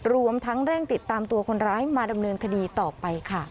รวมทั้งเร่งติดตามตัวคนร้ายมาดำเนินคดีต่อไปค่ะ